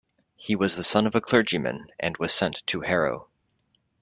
He was the son of a clergyman and was sent to Harrow.